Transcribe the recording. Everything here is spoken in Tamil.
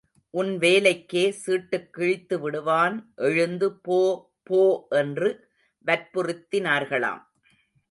உன் வேலைக்கே சீட்டுக் கிழித்துவிடுவான் எழுந்து போ போ என்று வற்புறுத்தினார்களாம்.